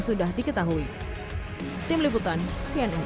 sudah diketahui tim liputan cnn